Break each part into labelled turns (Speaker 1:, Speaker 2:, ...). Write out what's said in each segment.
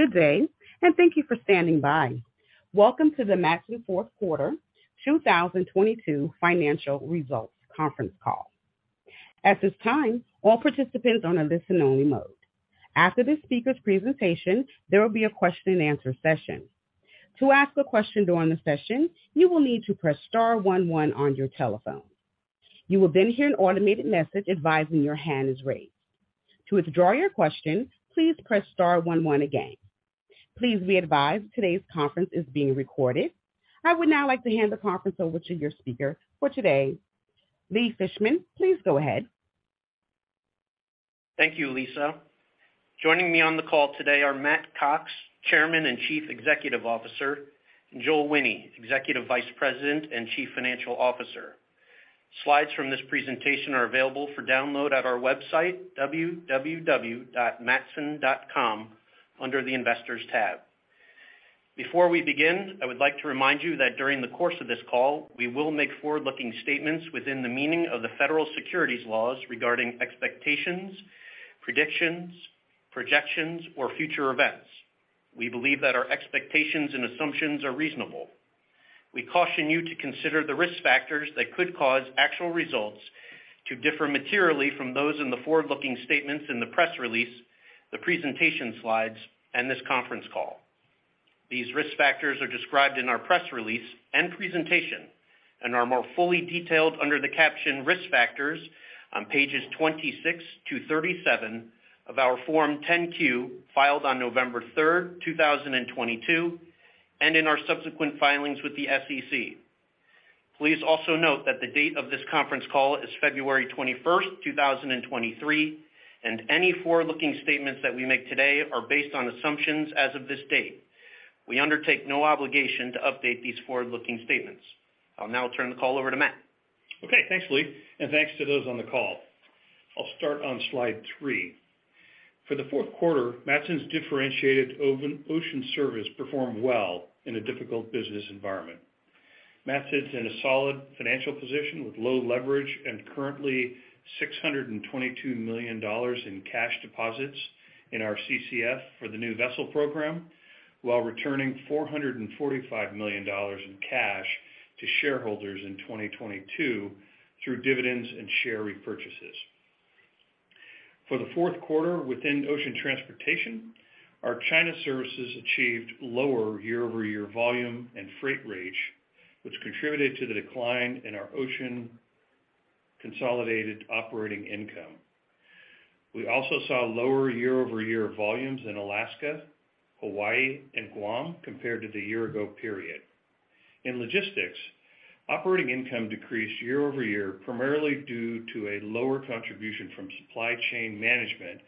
Speaker 1: Good day, and thank you for standing by. Welcome to the Matson Fourth Quarter 2022 Financial Results Conference Call. At this time, all participants on a listen-only mode. After the speaker's presentation, there will be a question and answer session. To ask a question during the session, you will need to press star one one on your telephone. You will then hear an automated message advising your hand is raised. To withdraw your question, please press star one one again. Please be advised today's conference is being recorded. I would now like to hand the conference over to your speaker for today, Lee Fishman. Please go ahead.
Speaker 2: Thank you, Lisa. Joining me on the call today are Matt Cox, Chairman and Chief Executive Officer, and Joel Wine, Executive Vice President and Chief Financial Officer. Slides from this presentation are available for download at our website, www.matson.com, under the Investors tab. Before we begin, I would like to remind you that during the course of this call, we will make forward-looking statements within the meaning of the federal securities laws regarding expectations, predictions, projections, or future events. We believe that our expectations and assumptions are reasonable. We caution you to consider the risk factors that could cause actual results to differ materially from those in the forward-looking statements in the press release, the presentation slides and this conference call. These risk factors are described in our press release and presentation and are more fully detailed under the caption Risk Factors on pages 26-37 of our Form 10-Q, filed on November 3rd, 2022, and in our subsequent filings with the SEC. Please also note that the date of this conference call is February 21st, 2023, and any forward-looking statements that we make today are based on assumptions as of this date. We undertake no obligation to update these forward-looking statements. I'll now turn the call over to Matt.
Speaker 3: Thanks, Lee, and thanks to those on the call. I'll start on slide three. For the fourth quarter, Matson's differentiated ocean service performed well in a difficult business environment. Matson's in a solid financial position with low leverage and currently $622 million in cash deposits in our CCF for the new vessel program, while returning $445 million in cash to shareholders in 2022 through dividends and share repurchases. For the fourth quarter, within ocean transportation, our China services achieved lower year-over-year volume and freight rate, which contributed to the decline in our ocean consolidated operating income. We also saw lower year-over-year volumes in Alaska, Hawaii, and Guam compared to the year-ago period. In logistics, operating income decreased year-over-year, primarily due to a lower contribution from supply chain management,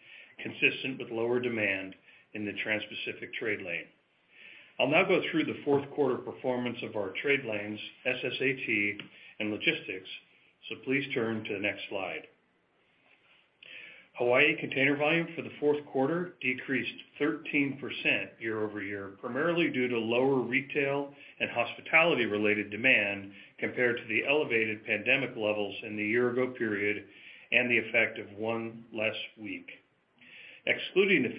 Speaker 3: consistent with lower demand in the Transpacific trade lane. I'll now go through the fourth quarter performance of our trade lanes, SSAT and Logistics. Please turn to the next slide. Hawaii container volume for the fourth quarter decreased 13% year-over-year, primarily due to lower retail and hospitality-related demand compared to the elevated pandemic levels in the year-ago period and the effect of one less week. Excluding the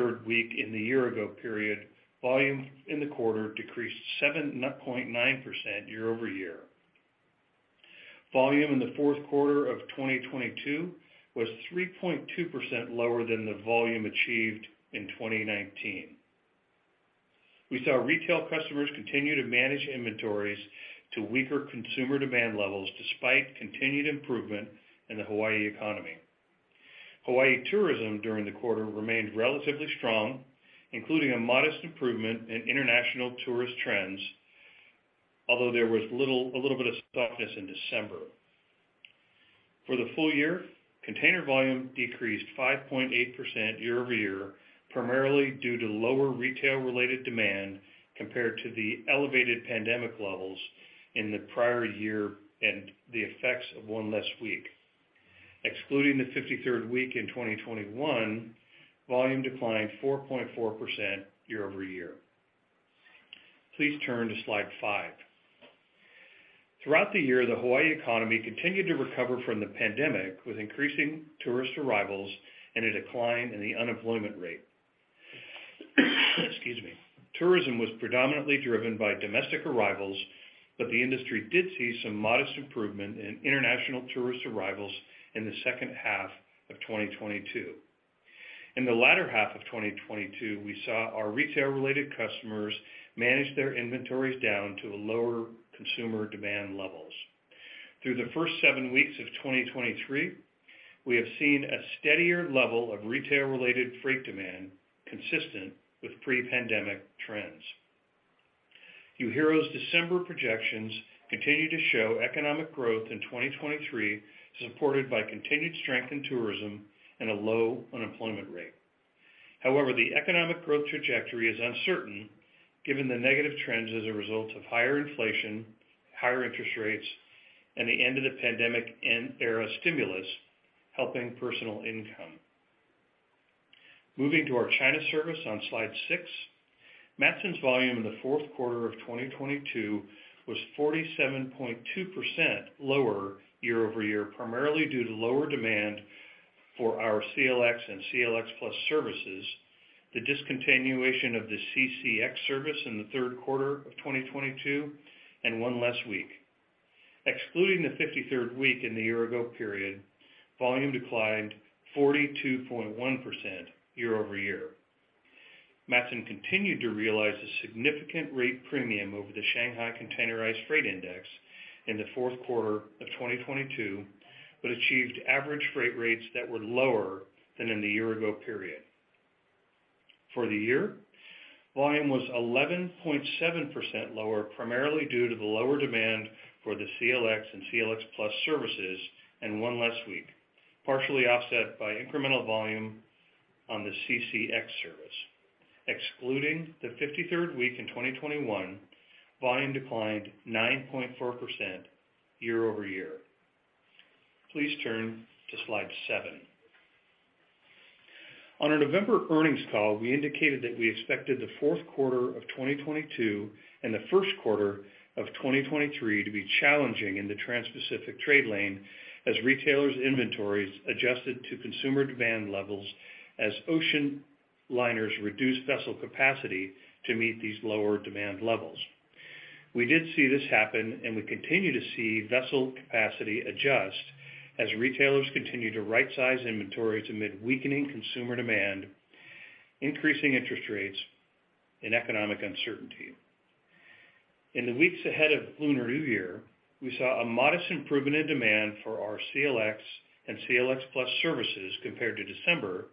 Speaker 3: 53rd week in the year-ago period, volume in the quarter decreased 7.9% year-over-year. Volume in the fourth quarter of 2022 was 3.2% lower than the volume achieved in 2019. We saw retail customers continue to manage inventories to weaker consumer demand levels, despite continued improvement in the Hawaii economy. Hawaii tourism during the quarter remained relatively strong, including a modest improvement in international tourist trends, although there was a little bit of softness in December. For the full year, container volume decreased 5.8% year-over-year, primarily due to lower retail-related demand compared to the elevated pandemic levels in the prior year and the effects of one less week. Excluding the 53rd week in 2021, volume declined 4.4% year-over-year. Please turn to slide five. Throughout the year, the Hawaii economy continued to recover from the pandemic, with increasing tourist arrivals and a decline in the unemployment rate. Excuse me. Tourism was predominantly driven by domestic arrivals, the industry did see some modest improvement in international tourist arrivals in the second half of 2022. In the latter half of 2022, we saw our retail-related customers manage their inventories down to a lower consumer demand levels. Through the first seven weeks of 2023, we have seen a steadier level of retail-related freight demand consistent with pre-pandemic trends. UHERO's December projections continue to show economic growth in 2023, supported by continued strength in tourism and a low unemployment rate. The economic growth trajectory is uncertain given the negative trends as a result of higher inflation, higher interest rates, and the end of the pandemic era stimulus helping personal income. Moving to our China service on slide six. Matson's volume in the fourth quarter of 2022 was 47.2% lower year-over-year, primarily due to lower demand for our CLX and CLX+ services, the discontinuation of the CCX service in the third quarter of 2022, and one less week. Excluding the 53rd week in the year-ago period, volume declined 42.1% year-over-year. Matson continued to realize a significant rate premium over the Shanghai Containerized Freight Index in the fourth quarter of 2022, but achieved average freight rates that were lower than in the year-ago period. For the year, volume was 11.7% lower, primarily due to the lower demand for the CLX and CLX+ services and one less week, partially offset by incremental volume on the CCX service. Excluding the 53rd week in 2021, volume declined 9.4% year-over-year. Please turn to slide seven. On our November earnings call, we indicated that we expected the fourth quarter of 2022 and the first quarter of 2023 to be challenging in the Transpacific trade lane as retailers inventories adjusted to consumer demand levels as ocean liners reduced vessel capacity to meet these lower demand levels. We did see this happen. We continue to see vessel capacity adjust as retailers continue to right-size inventories amid weakening consumer demand, increasing interest rates and economic uncertainty. In the weeks ahead of Lunar New Year, we saw a modest improvement in demand for our CLX and CLX+ services compared to December.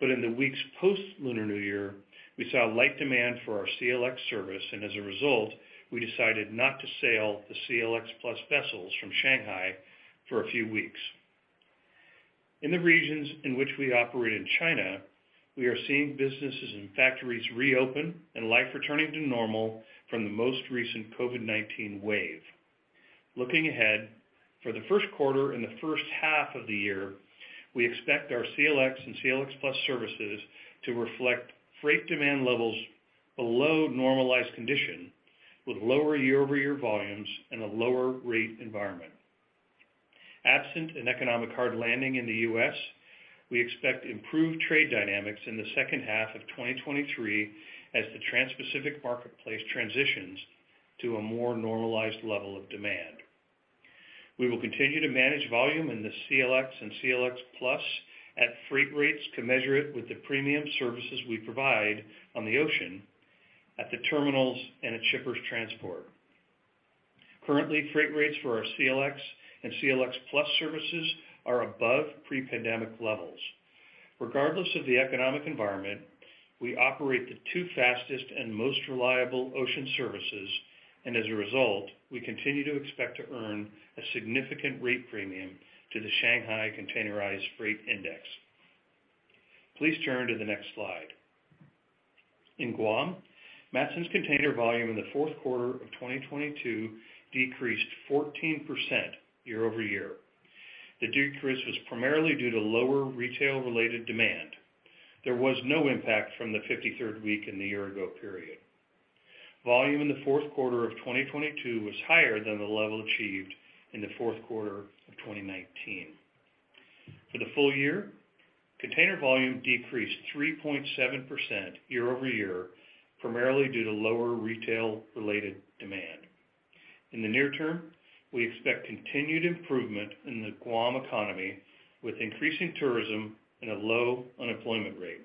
Speaker 3: In the weeks post-Lunar New Year, we saw light demand for our CLX service, and as a result, we decided not to sail the CLX+ vessels from Shanghai for a few weeks. In the regions in which we operate in China, we are seeing businesses and factories reopen and life returning to normal from the most recent COVID-19 wave. Looking ahead, for the first quarter and the first half of the year, we expect our CLX and CLX+ services to reflect freight demand levels below normalized condition with lower year-over-year volumes and a lower rate environment. Absent an economic hard landing in the U.S., we expect improved trade dynamics in the second half of 2023 as the Transpacific marketplace transitions to a more normalized level of demand. We will continue to manage volume in the CLX and CLX+ at freight rates commensurate with the premium services we provide on the ocean, at the terminals, and at shippers transport. Currently, freight rates for our CLX and CLX+ services are above pre-pandemic levels. Regardless of the economic environment, we operate the two fastest and most reliable ocean services, and as a result, we continue to expect to earn a significant rate premium to the Shanghai Containerized Freight Index. Please turn to the next slide. In Guam, Matson's container volume in the fourth quarter of 2022 decreased 14% year-over-year. The decrease was primarily due to lower retail-related demand. There was no impact from the 53rd week in the year-ago period. Volume in the fourth quarter of 2022 was higher than the level achieved in the fourth quarter of 2019. For the full year, container volume decreased 3.7% year-over-year, primarily due to lower retail-related demand. In the near-term, we expect continued improvement in the Guam economy, with increasing tourism and a low unemployment rate.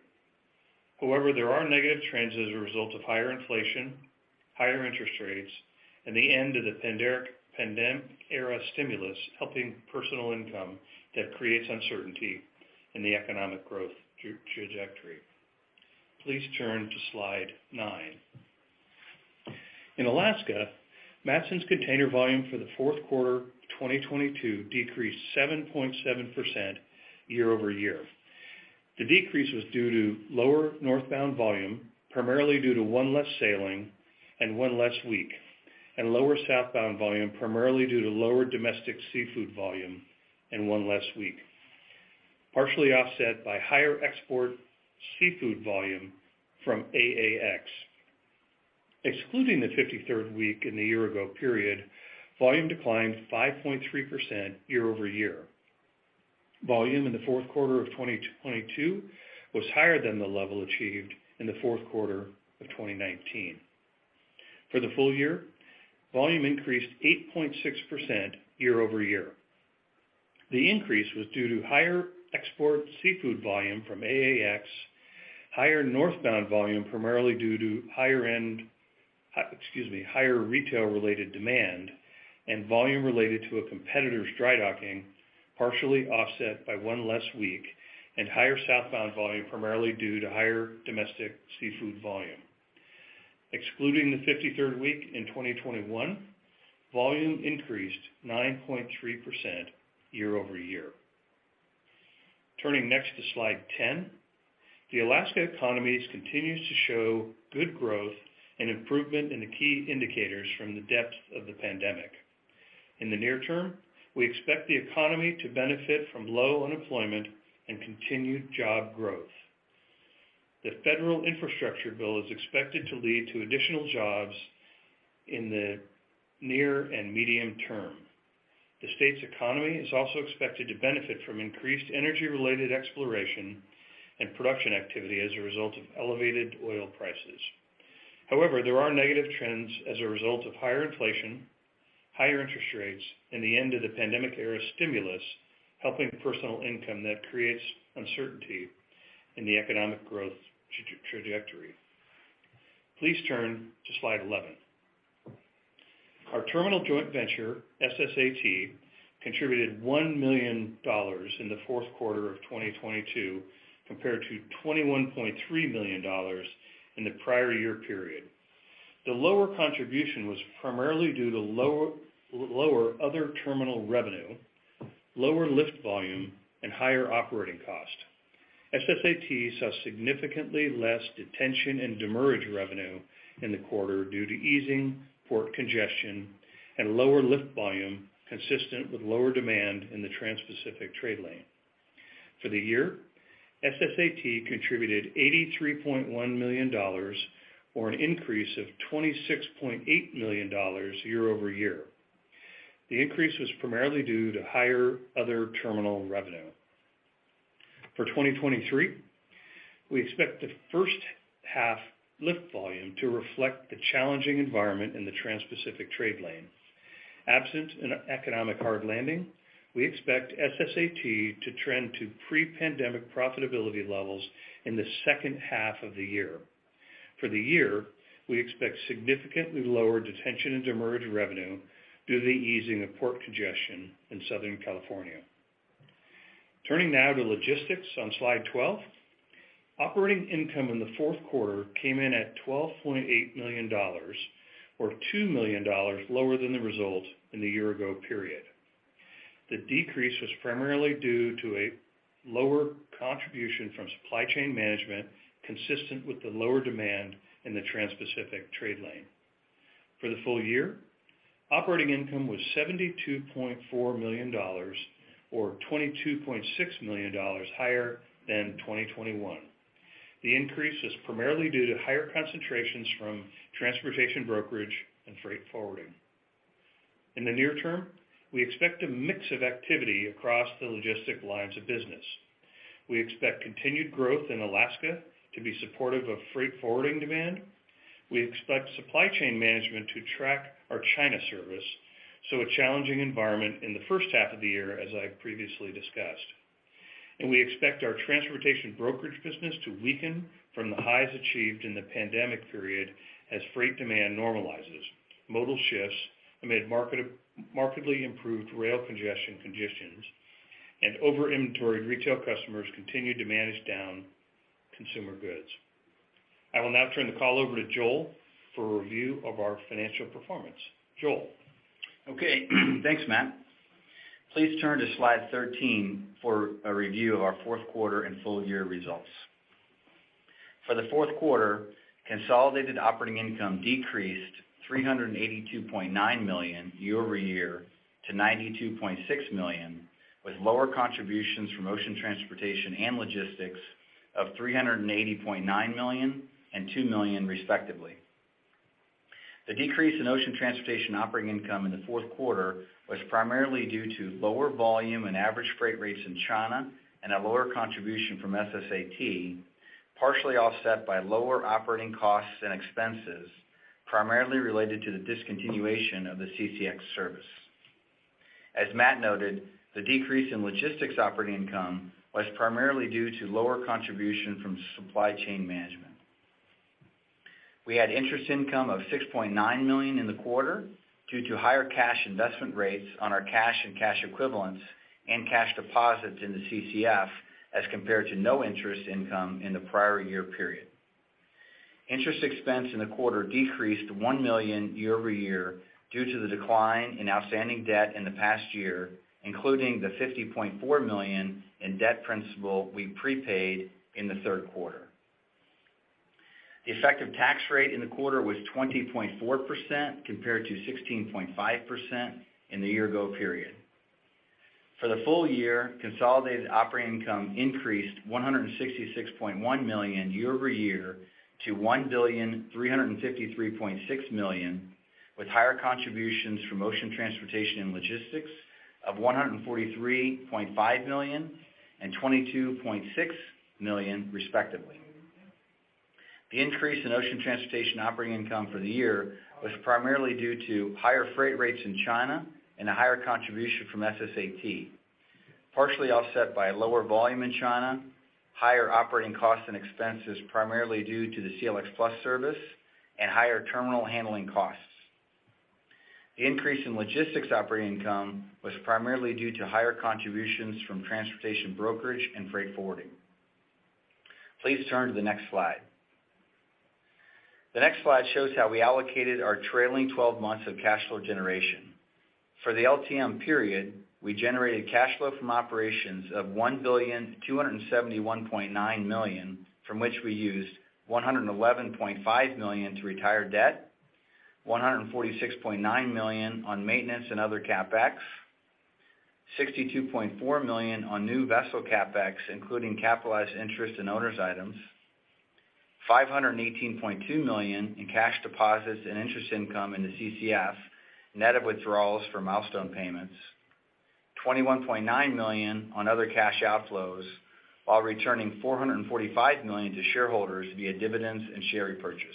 Speaker 3: There are negative trends as a result of higher inflation, higher interest rates, and the end of the pandemic-era stimulus helping personal income that creates uncertainty in the economic growth trajectory. Please turn to slide nine. In Alaska, Matson's container volume for the fourth quarter of 2022 decreased 7.7% year-over-year. The decrease was due to lower northbound volume, primarily due to one less sailing and one less week, and lower southbound volume, primarily due to lower domestic seafood volume and one less week, partially offset by higher export seafood volume from AAX. Excluding the 53rd week in the year-ago period, volume declined 5.3% year-over-year. Volume in the fourth quarter of 2022 was higher than the level achieved in the fourth quarter of 2019. For the full year, volume increased 8.6% year-over-year. The increase was due to higher export seafood volume from AAX, higher northbound volume, primarily due to higher Excuse me, higher retail-related demand and volume related to a competitor's dry docking, partially offset by one less week, and higher southbound volume, primarily due to higher domestic seafood volume. Excluding the 53rd week in 2021, volume increased 9.3% year-over-year. Turning next to slide 10. The Alaska economy continues to show good growth and improvement in the key indicators from the depth of the pandemic. In the near term, we expect the economy to benefit from low unemployment and continued job growth. The federal infrastructure bill is expected to lead to additional jobs in the near and medium-term. The state's economy is also expected to benefit from increased energy-related exploration and production activity as a result of elevated oil prices. However, there are negative trends as a result of higher inflation, higher interest rates, and the end of the pandemic-era stimulus, helping personal income that creates uncertainty in the economic growth trajectory. Please turn to slide 11. Our terminal joint venture, SSAT, contributed $1 million in the fourth quarter of 2022 compared to $21.3 million in the prior year period. The lower contribution was primarily due to lower other terminal revenue, lower lift volume, and higher operating costs. SSAT saw significantly less detention and demurrage revenue in the quarter due to easing port congestion and lower lift volume, consistent with lower demand in the Transpacific trade lane. For the year, SSAT contributed $83.1 million, or an increase of $26.8 million year-over-year. The increase was primarily due to higher other terminal revenue. For 2023, we expect the first half lift volume to reflect the challenging environment in the Transpacific trade lane. Absent an economic hard landing, we expect SSAT to trend to pre-pandemic profitability levels in the second half of the year. For the year, we expect significantly lower detention and demurrage revenue due to the easing of port congestion in Southern California. Turning now to logistics on slide 12. Operating income in the fourth quarter came in at $12.8 million, or $2 million lower than the result in the year-ago period. The decrease was primarily due to a lower contribution from supply chain management, consistent with the lower demand in the Transpacific trade lane. For the full year, operating income was $72.4 million or $22.6 million higher than 2021. The increase is primarily due to higher concentrations from transportation brokerage and freight forwarding. In the near term, we expect a mix of activity across the logistic lines of business. We expect continued growth in Alaska to be supportive of freight forwarding demand. We expect supply chain management to track our China service, so a challenging environment in the first half of the year, as I previously discussed. We expect our transportation brokerage business to weaken from the highs achieved in the pandemic period as freight demand normalizes, modal shifts amid markedly improved rail congestion conditions, and over-inventoried retail customers continue to manage down consumer goods. I will now turn the call over to Joel for a review of our financial performance. Joel?
Speaker 4: Thanks, Matt. Please turn to slide 13 for a review of our fourth quarter and full year results. For the fourth quarter, consolidated operating income decreased $382.9 million year-over-year to $92.6 million, with lower contributions from ocean transportation and logistics of $380.9 million and $2 million, respectively. The decrease in ocean transportation operating income in the fourth quarter was primarily due to lower volume and average freight rates in China and a lower contribution from SSAT, partially offset by lower operating costs and expenses, primarily related to the discontinuation of the CCX service. As Matt noted, the decrease in logistics operating income was primarily due to lower contribution from supply chain management. We had interest income of $6.9 million in the quarter due to higher cash investment rates on our cash and cash equivalents and cash deposits in the CCF as compared to no interest income in the prior year period. Interest expense in the quarter decreased $1 million year-over-year due to the decline in outstanding debt in the past year, including the $50.4 million in debt principal we prepaid in the third quarter. The effective tax rate in the quarter was 20.4%, compared to 16.5% in the year-ago period. For the full year, consolidated operating income increased $166.1 million year-over-year to $1,353.6 million, with higher contributions from ocean transportation and logistics of $143.5 million and $22.6 million, respectively. The increase in ocean transportation operating income for the year was primarily due to higher freight rates in China and a higher contribution from SSAT, partially offset by lower volume in China, higher operating costs and expenses, primarily due to the CLX+ service and higher terminal handling costs. The increase in logistics operating income was primarily due to higher contributions from transportation brokerage and freight forwarding. Please turn to the next slide. The next slide shows how we allocated our trailing 12 months of cash flow generation. For the LTM period, we generated cash flow from operations of $1,271.9 million, from which we used $111.5 million to retire debt, $146.9 million on maintenance and other CapEx. $62.4 million on new vessel CapEx, including capitalized interest and owners' items. $518.2 million in cash deposits and interest income in the CCF, net of withdrawals for milestone payments. $21.9 million on other cash outflows while returning $445 million to shareholders via dividends and share repurchase.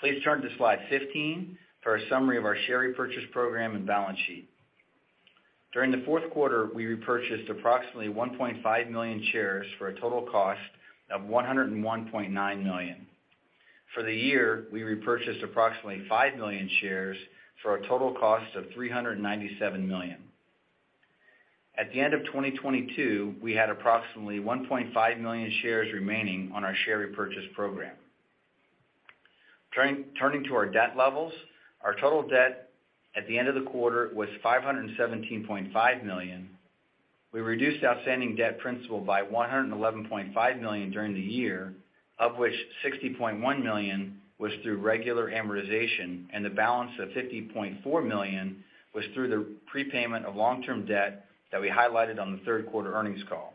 Speaker 4: Please turn to slide 15 for a summary of our share repurchase program and balance sheet. During the fourth quarter, we repurchased approximately 1.5 million shares for a total cost of $101.9 million. For the year, we repurchased approximately 5 million shares for a total cost of $397 million. At the end of 2022, we had approximately 1.5 million shares remaining on our share repurchase program. Turning to our debt levels, our total debt at the end of the quarter was $517.5 million. We reduced outstanding debt principal by $111.5 million during the year, of which $60.1 million was through regular amortization, and the balance of $50.4 million was through the prepayment of long-term debt that we highlighted on the third quarter earnings call.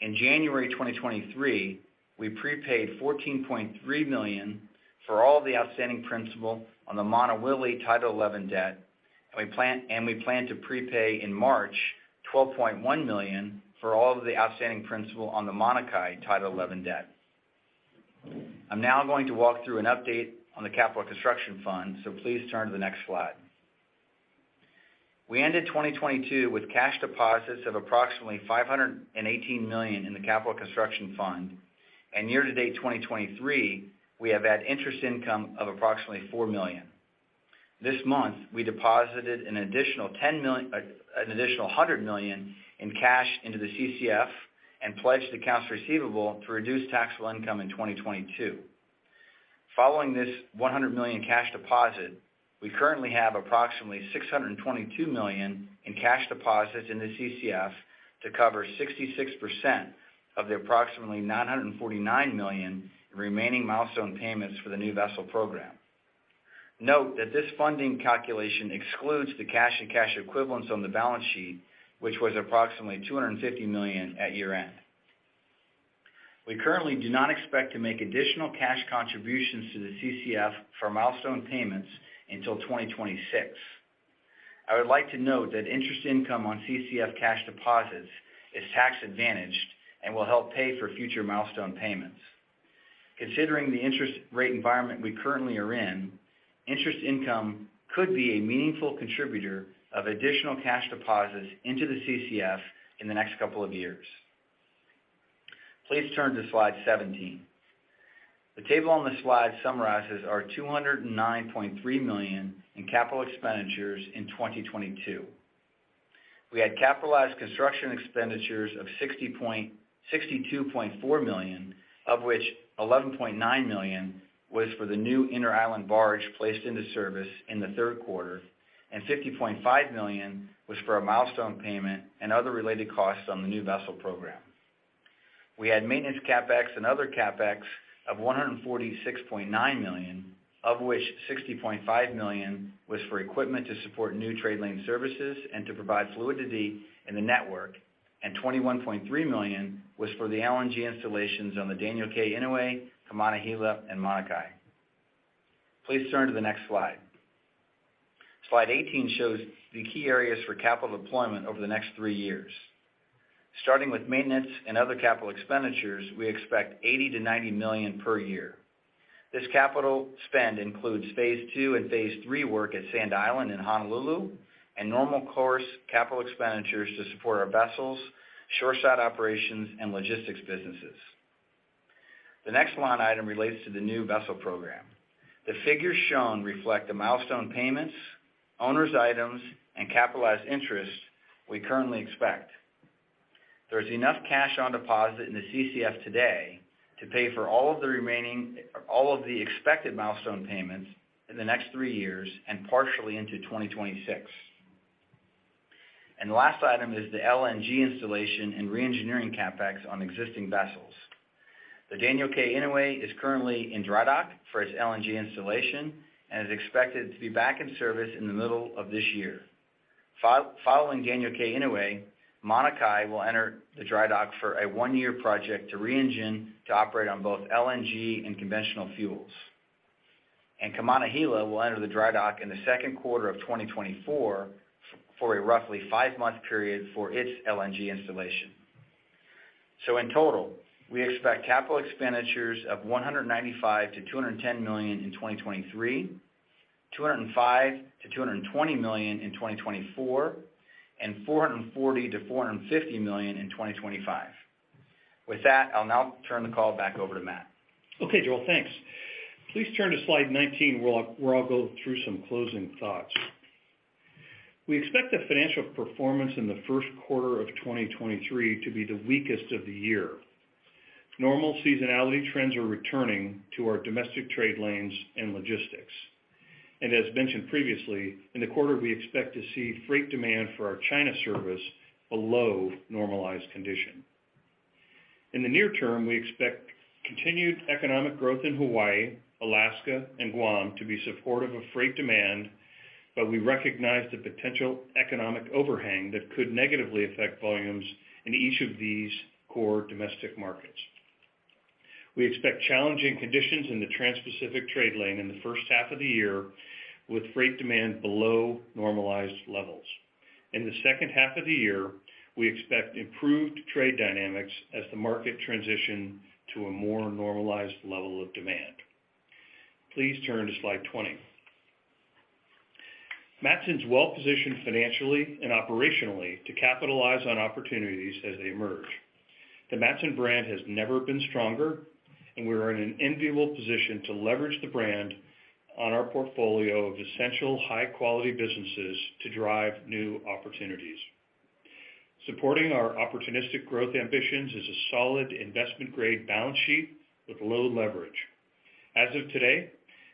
Speaker 4: In January 2023, we prepaid $14.3 million for all the outstanding principal on the Maunawili Title XI debt, and we plan to prepay in March $12.1 million for all of the outstanding principal on the Mauna Kea Title XI debt. I'm now going to walk through an update on the Capital Construction Fund. Please turn to the next slide. We ended 2022 with cash deposits of approximately $518 million in the Capital Construction Fund. Year to date 2023, we have had interest income of approximately $4 million. This month, we deposited an additional $10 million, an additional $100 million in cash into the CCF and pledged accounts receivable to reduce taxable income in 2022. Following this $100 million cash deposit, we currently have approximately $622 million in cash deposits in the CCF to cover 66% of the approximately $949 million in remaining milestone payments for the new vessel program. Note that this funding calculation excludes the cash and cash equivalents on the balance sheet, which was approximately $250 million at year-end. We currently do not expect to make additional cash contributions to the CCF for milestone payments until 2026. I would like to note that interest income on CCF cash deposits is tax-advantaged and will help pay for future milestone payments. Considering the interest rate environment we currently are in, interest income could be a meaningful contributor of additional cash deposits into the CCF in the next couple of years. Please turn to slide 17. The table on this slide summarizes our $209.3 million in capital expenditures in 2022. We had capitalized construction expenditures of $62.4 million, of which $11.9 million was for the new Inter-island barge placed into service in the third quarter, and $50.5 million was for a milestone payment and other related costs on the new vessel program. We had maintenance CapEx and other CapEx of $146.9 million, of which $60.5 million was for equipment to support new trade lane services and to provide fluidity in the network. $21.3 million was for the LNG installations on the Daniel K. Inouye, Kaimana Hila, and Mauna Kea. Please turn to the next slide. Slide 18 shows the key areas for capital deployment over the next three years. Starting with maintenance and other capital expenditures, we expect $80 million-$90 million per year. This capital spend includes phase II and phase III work at Sand Island in Honolulu and normal course capital expenditures to support our vessels, shore side operations, and logistics businesses. The next line item relates to the new vessel program. The figures shown reflect the milestone payments, owners' items, and capitalized interest we currently expect. There's enough cash on deposit in the CCF today to pay for all of the remaining expected milestone payments in the next three years and partially into 2026. The last item is the LNG installation and re-engineering CapEx on existing vessels. The Daniel K. Inouye is currently in dry dock for its LNG installation and is expected to be back in service in the middle of this year. Following Daniel K. Inouye, Mauna Kea will enter the dry dock for a one-year project to re-engine to operate on both LNG and conventional fuels. Kaimana Hila will enter the dry dock in the second quarter of 2024 for a roughly five-month period for its LNG installation. In total, we expect capital expenditures of $195 million-$210 million in 2023, $205 million-$220 million in 2024, and $440 million-$450 million in 2025. With that, I'll now turn the call back over to Matt.
Speaker 3: Okay, Joel, thanks. Please turn to slide 19, where I'll go through some closing thoughts. We expect the financial performance in the first quarter of 2023 to be the weakest of the year. Normal seasonality trends are returning to our domestic trade lanes and logistics. As mentioned previously, in the quarter, we expect to see freight demand for our China service below normalized condition. In the near term, we expect continued economic growth in Hawaii, Alaska and Guam to be supportive of freight demand, but we recognize the potential economic overhang that could negatively affect volumes in each of these core domestic markets. We expect challenging conditions in the Transpacific trade lane in the first half of the year, with freight demand below normalized levels. In the second half of the year, we expect improved trade dynamics as the market transition to a more normalized level of demand. Please turn to slide 20. Matson is well-positioned financially and operationally to capitalize on opportunities as they emerge. The Matson brand has never been stronger, and we are in an enviable position to leverage the brand on our portfolio of essential high-quality businesses to drive new opportunities. Supporting our opportunistic growth ambitions is a solid investment-grade balance sheet with low leverage. As of today,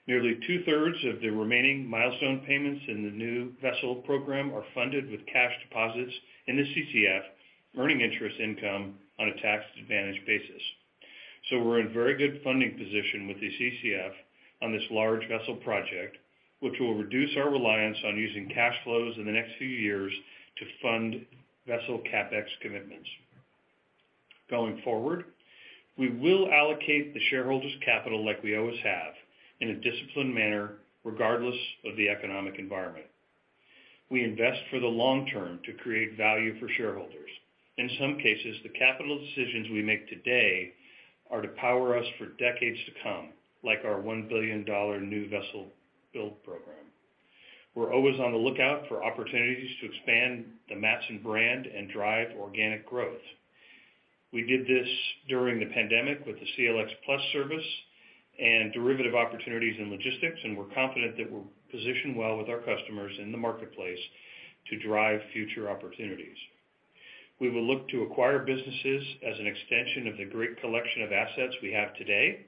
Speaker 3: nearly two-thirds of the remaining milestone payments in the new vessel program are funded with cash deposits in the CCF, earning interest income on a tax-advantaged basis. We're in very good funding position with the CCF on this large vessel project, which will reduce our reliance on using cash flows in the next few years to fund vessel CapEx commitments. Going forward, we will allocate the shareholders capital like we always have in a disciplined manner, regardless of the economic environment. We invest for the long-term to create value for shareholders. In some cases, the capital decisions we make today are to power us for decades to come, like our $1 billion new vessel build program. We're always on the lookout for opportunities to expand the Matson brand and drive organic growth. We did this during the pandemic with the CLX+ service and derivative opportunities in logistics, and we're confident that we're positioned well with our customers in the marketplace to drive future opportunities. We will look to acquire businesses as an extension of the great collection of assets we have today.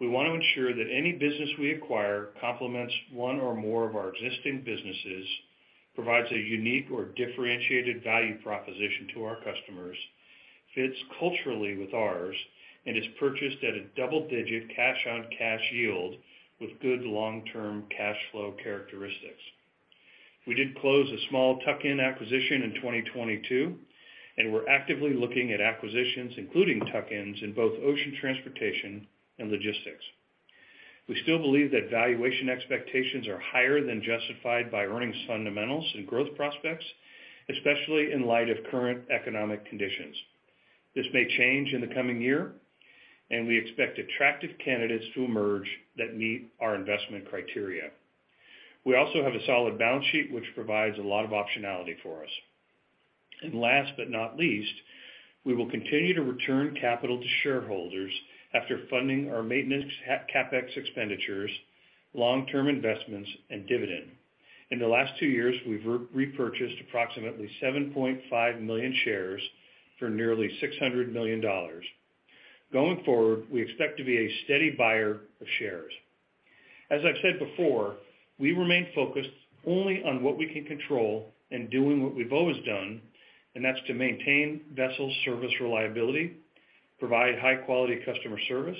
Speaker 3: We want to ensure that any business we acquire complements one or more of our existing businesses, provides a unique or differentiated value proposition to our customers, fits culturally with ours, and is purchased at a double-digit cash-on-cash yield with good long-term cash flow characteristics. We did close a small tuck-in acquisition in 2022. We're actively looking at acquisitions, including tuck-ins, in both ocean transportation and logistics. We still believe that valuation expectations are higher than justified by earnings fundamentals and growth prospects, especially in light of current economic conditions. This may change in the coming year. We expect attractive candidates to emerge that meet our investment criteria. We also have a solid balance sheet, which provides a lot of optionality for us. Last but not least, we will continue to return capital to shareholders after funding our maintenance CapEx expenditures, long-term investments, and dividend. In the last two years, we've re-repurchased approximately 7.5 million shares for nearly $600 million. Going forward, we expect to be a steady buyer of shares. As I've said before, we remain focused only on what we can control and doing what we've always done, and that's to maintain vessel service reliability, provide high-quality customer service,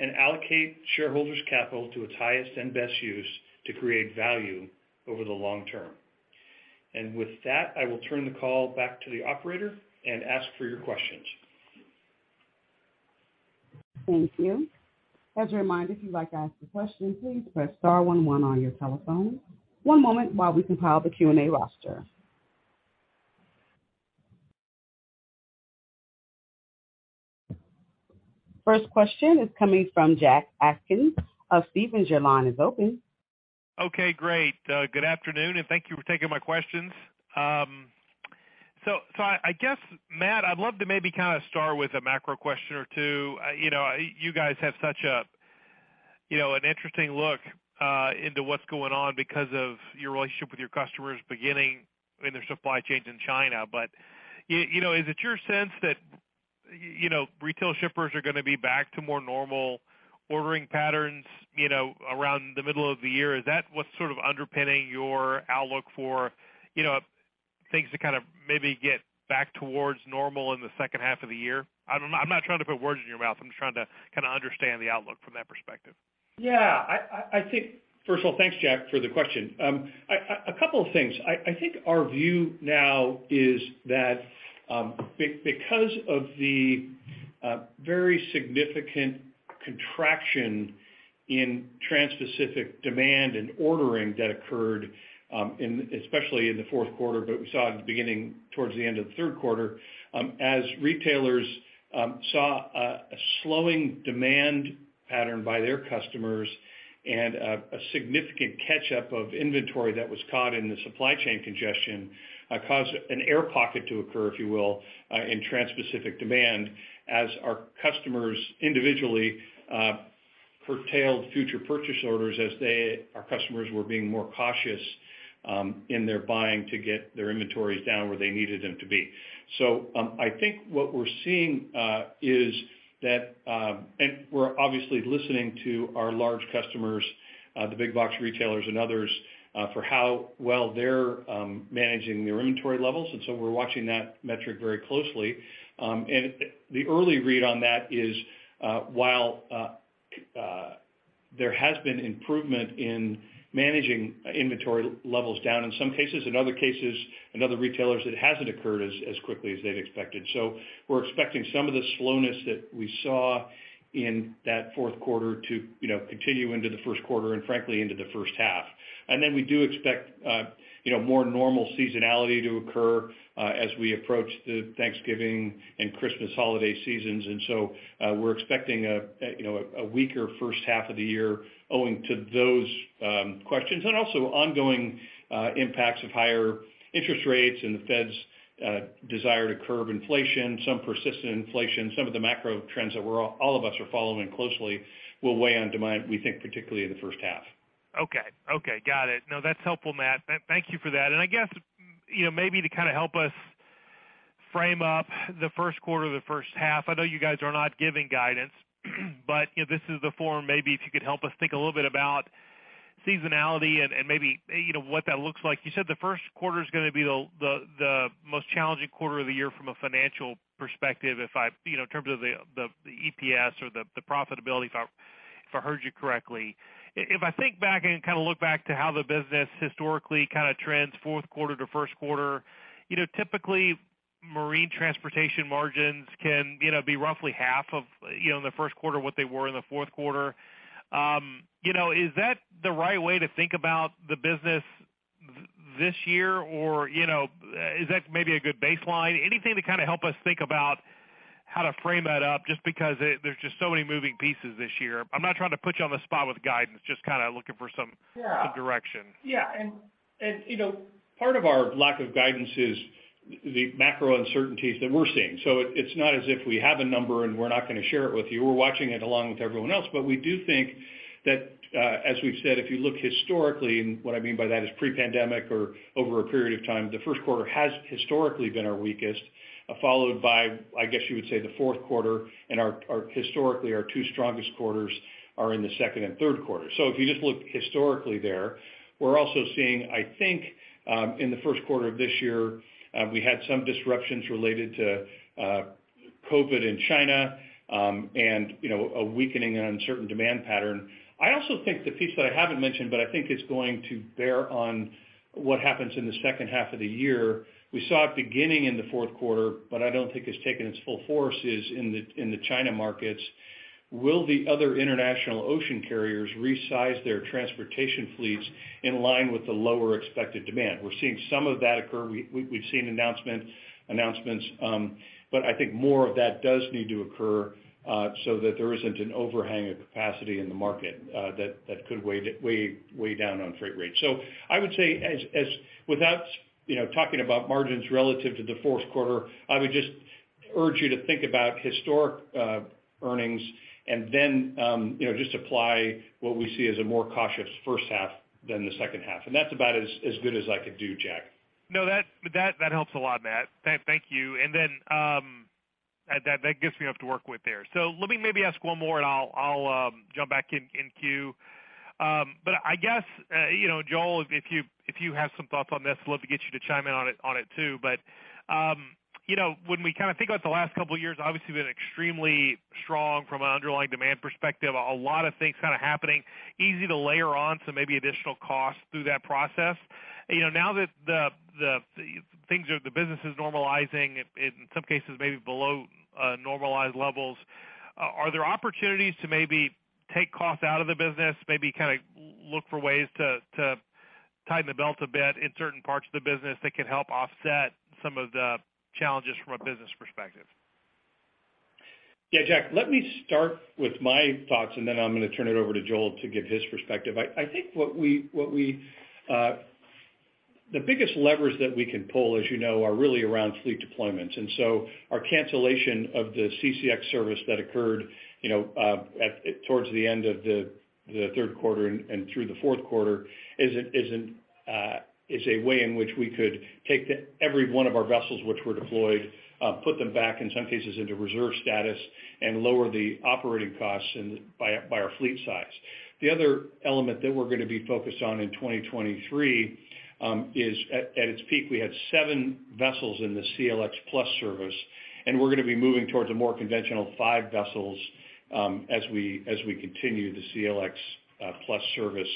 Speaker 3: and allocate shareholders capital to its highest and best use to create value over the long-term. With that, I will turn the call back to the operator and ask for your questions.
Speaker 1: Thank you. As a reminder, if you'd like to ask a question, please press star one one on your telephone. One moment while we compile the Q&A roster. First question is coming from Jack Atkins of Stephens. Your line is open.
Speaker 5: Okay, great. good afternoon. Thank you for taking my questions. I guess, Matt, I'd love to maybe kinda start with a macro question or two. You know, you guys have such a, you know, an interesting look, into what's going on because of your relationship with your customers beginning in their supply chains in China. You know, is it your sense that, you know, retail shippers are gonna be back to more normal ordering patterns, you know, around the middle of the year? Is that what's sort of underpinning your outlook for, you know, things to kind of maybe get back towards normal in the second half of the year? I'm not trying to put words in your mouth. I'm just trying to kinda understand the outlook from that perspective.
Speaker 3: Yeah, I think, first of all, thanks, Jack, for the question. A couple of things. I think our view now is that because of the very significant contraction in Transpacific demand and ordering that occurred in, especially in the fourth quarter, but we saw it beginning towards the end of the third quarter, as retailers saw a slowing demand pattern by their customers and a significant catch-up of inventory that was caught in the supply chain congestion, caused an air pocket to occur, if you will, in Transpacific demand as our customers individually curtailed future purchase orders as they, our customers, were being more cautious in their buying to get their inventories down where they needed them to be. I think what we're seeing, and we're obviously listening to our large customers, the big box retailers and others, for how well they're managing their inventory levels. We're watching that metric very closely. The early read on that is, while there has been improvement in managing inventory levels down in some cases, in other cases, in other retailers, it hasn't occurred as quickly as they'd expected. We're expecting some of the slowness that we saw in that 4th quarter to, you know, continue into the 1st quarter and frankly, into the 1st half. We do expect, you know, more normal seasonality to occur as we approach the Thanksgiving and Christmas holiday seasons. We're expecting a, you know, a weaker first half of the year owing to those questions and also ongoing impacts of higher interest rates and the Fed's desire to curb inflation, some persistent inflation. Some of the macro trends that all of us are following closely will weigh on demand, we think, particularly in the first half.
Speaker 5: Okay. Okay. Got it. No, that's helpful, Matt. Thank you for that. I guess, you know, maybe to kind of help us frame up the first quarter or the first half, I know you guys are not giving guidance, but, you know, this is the forum maybe if you could help us think a little bit about seasonality and maybe, you know, what that looks like. You said the first quarter is gonna be the, the most challenging quarter of the year from a financial perspective if I, you know, in terms of the EPS or the profitability, if I, if I heard you correctly. If I think back and kind of look back to how the business historically kind of trends fourth quarter to first quarter, you know, typically, marine transportation margins can, you know, be roughly half of, you know, in the first quarter what they were in the fourth quarter. You know, is that the right way to think about the business this year? You know, is that maybe a good baseline? Anything to kind of help us think about how to frame that up, just because there's just so many moving pieces this year. I'm not trying to put you on the spot with guidance, just kind of looking for some.
Speaker 3: Yeah
Speaker 5: some direction.
Speaker 3: Yeah. You know, part of our lack of guidance is the macro uncertainties that we're seeing. It's not as if we have a number, and we're not gonna share it with you. We're watching it along with everyone else. We do think that, as we've said, if you look historically, and what I mean by that is pre-pandemic or over a period of time, the first quarter has historically been our weakest, followed by, I guess you would say, the fourth quarter, and our historically, our two strongest quarters are in the second and third quarter. If you just look historically there. We're also seeing, I think, in the first quarter of this year, we had some disruptions related to COVID-19 in China, and, you know, a weakening on certain demand pattern. I also think the piece that I haven't mentioned, but I think is going to bear on what happens in the second half of the year, we saw it beginning in the fourth quarter, but I don't think it's taken its full force, is in the China markets. Will the other international ocean carriers resize their transportation fleets in line with the lower expected demand? We're seeing some of that occur. We've seen announcements, I think more of that does need to occur, so that there isn't an overhang of capacity in the market, that could weigh down on freight rates. I would say as without, you know, talking about margins relative to the fourth quarter, I would just urge you to think about historic earnings and then, you know, just apply what we see as a more cautious first half than the second half. That's about as good as I could do, Jack.
Speaker 5: No, that helps a lot, Matt. Thank you. That gets me up to work with there. Let me maybe ask one more and I'll jump back in queue. I guess, you know, Joel, if you have some thoughts on this, love to get you to chime in on it too. You know, when we kind of think about the last couple of years, obviously we've been extremely strong from an underlying demand perspective. A lot of things kind of happening. Easy to layer on some maybe additional costs through that process. You know, now that the business is normalizing, in some cases, maybe below normalized levels, are there opportunities to maybe take costs out of the business, maybe kind of look for ways to tighten the belt a bit in certain parts of the business that can help offset some of the challenges from a business perspective?
Speaker 3: Yeah, Jack, let me start with my thoughts, and then I'm gonna turn it over to Joel to give his perspective. I think. The biggest levers that we can pull, as you know, are really around fleet deployments. Our cancellation of the CCX service that occurred, you know, towards the end of the third quarter and through the fourth quarter, is a way in which we could take every one of our vessels which were deployed, put them back in some cases into reserve status and lower the operating costs by our fleet size. The other element that we're gonna be focused on in 2023, is at its peak, we had seven vessels in the CLX+ service, and we're gonna be moving towards a more conventional five vessels, as we continue the CLX+ service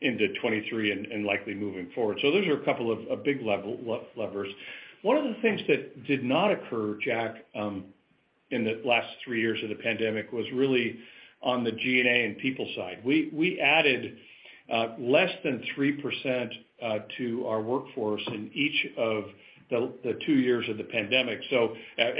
Speaker 3: into 2023 and likely moving forward. Those are a couple of big levers. One of the things that did not occur, Jack, in the last three years of the pandemic was really on the G&A and people side. We added less than 3% to our workforce in each of the two years of the pandemic.